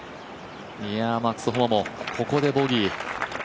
マックス・ホマもここでボギー。